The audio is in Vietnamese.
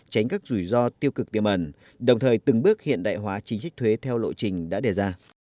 tránh các rủi ro tiêu cực tiềm ẩn đồng thời từng bước hiện đại hóa chính sách thuế theo lộ trình đã đề ra